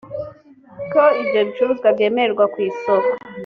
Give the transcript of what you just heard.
ko ibyo bicuruzwa byemererwa ku isoko